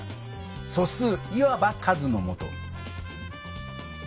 「素数」いわば数のもと。